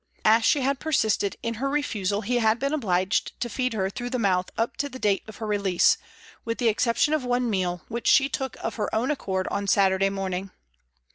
As she had persisted in her refusal, he had been obliged to feed her through the mouth up to the date of her release, with the exception of one meal, which she took of her own accord on Saturday morning.